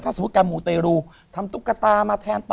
ถ้าสมมติการหมู่เตรูทำตุ๊กตามาแทน